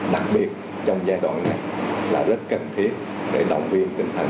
đặc biệt trong giai đoạn này là rất cần thiết để động viên tinh thần